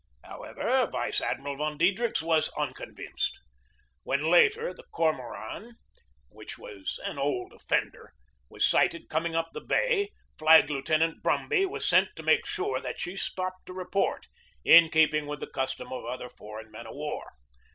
However, Vice Admiral von Diedrichs was un convinced. When, later, the Cormoran, which was an old offender, was sighted coming up the bay A PERIOD OF ANXIETY 267 Flag Lieutenant Brumby was sent to make sure that she stopped to report, in keeping with the custom of other foreign men of war.